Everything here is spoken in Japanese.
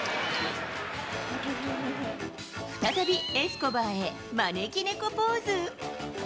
再びエスコバーへ、招き猫ポーズ。